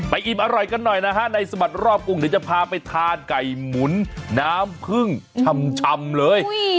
อิ่มอร่อยกันหน่อยนะฮะในสบัดรอบกรุงเดี๋ยวจะพาไปทานไก่หมุนน้ำพึ่งชำเลย